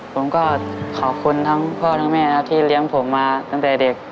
ผมก็ขอบคุณทั้งพ่อทั้งแม่นะที่เลี้ยงผมมาตั้งแต่เด็ก